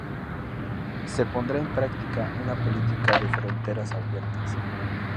Se pondrá en práctica una política de fronteras abiertas.